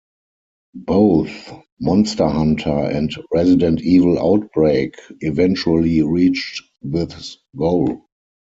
Both "Monster Hunter" and "Resident Evil Outbreak" eventually reached this goal.